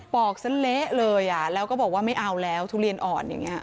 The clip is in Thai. อกซะเละเลยแล้วก็บอกว่าไม่เอาแล้วทุเรียนอ่อนอย่างนี้